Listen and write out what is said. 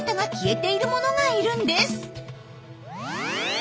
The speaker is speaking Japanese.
え？